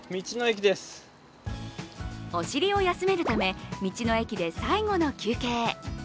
お尻を休めるため道の駅で最後の休憩。